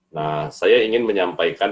nah saya ingin menyampaikan